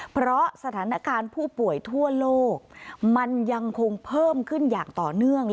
เพราะสถานการณ์ผู้ป่วยทั่วโลกมันยังคงเพิ่มขึ้นอย่างต่อเนื่อง